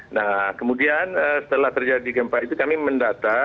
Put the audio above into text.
nah kemudian setelah terjadi gempa itu kami mendata